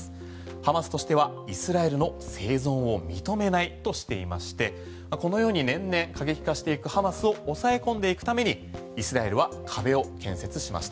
ハマスとしてはイスラエルの生存を認めないとしていましてこのように年々過激化していくハマスを抑え込んでいくためにイスラエルは壁を建設しました。